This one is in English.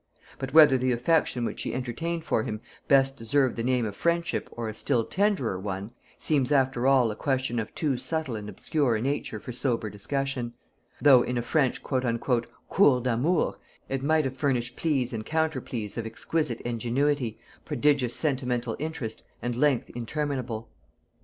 But whether the affection which she entertained for him best deserved the name of friendship or a still tenderer one, seems after all a question of too subtile and obscure a nature for sober discussion; though in a French "cour d'amour" it might have furnished pleas and counterpleas of exquisite ingenuity, prodigious sentimental interest, and length interminable.